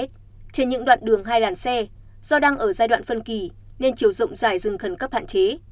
trên những đoạn đường hai làn xe do đang ở giai đoạn phân kỳ nên chiều rộng giải rừng khẩn cấp hạn chế